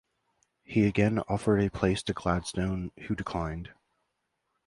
He again offered a place to Gladstone, who declined.